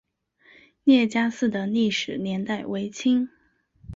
聂家寺的历史年代为清。